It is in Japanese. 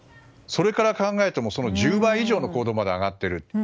それから考えても１０倍以上の高度まで上がっている。